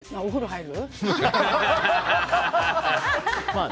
前お風呂入る？